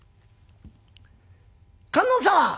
「観音様！